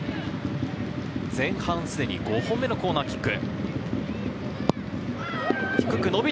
前半すでに５本目のコーナーキック。